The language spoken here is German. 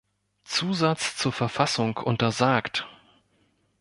Zusatz zur Verfassung untersagt.